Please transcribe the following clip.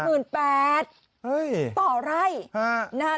หมื่นแปดเฮ้ยต่อไร่ฮะนะฮะ